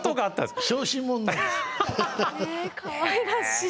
かわいらしい。